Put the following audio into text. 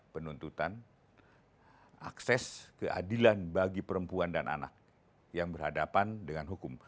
penuntutan akses keadilan bagi perempuan dan anak yang berhadapan dengan hukum